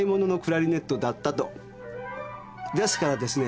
ですからですね